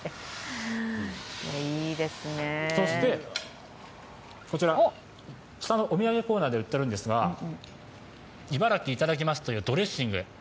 そして、下のお土産コーナーで売ってるんですが、いばらきいただきますというドレッシング。